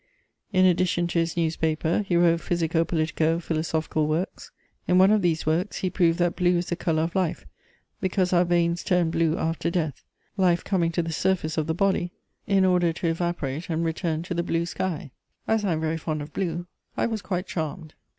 _ In addition to his newspaper, he wrote physico politico philosophical works: in one of these works he proved that blue is the colour of life, because our veins turn blue after death, life coming to the surface of the body in order to evaporate and return to the blue sky; as I am very fond of blue, I was quite charmed.